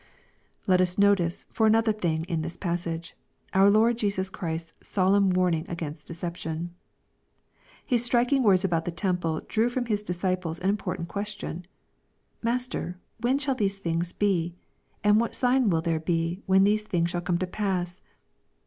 Let us notice for another thing in this passage, ov/r Lord Jesus Christ's solemn warning against deception. His striking words about the temple drew from His dis ciples an important question :" Master, when shall these things be ? and what sign will there be, when these things shall come to pass